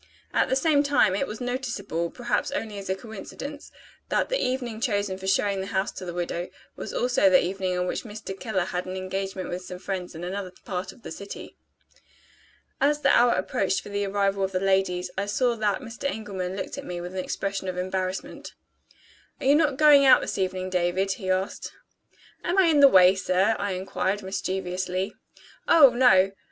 At the same time, it was noticeable (perhaps only as a coincidence) that the evening chosen for showing the house to the widow, was also the evening on which Mr. Keller had an engagement with some friends in another part of the city. As the hour approached for the arrival of the ladies, I saw that Mr. Engelman looked at me with an expression of embarrassment. "Are you not going out this evening, David?" he asked. "Am I in the way, sir?" I inquired mischievously. "Oh, no!"